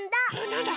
なんだ？